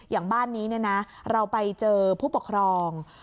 อย่างบ้านนี้เราไปเจอผู้ปกครอง